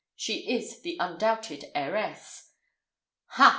She is the undoubted heiress." "Ha!"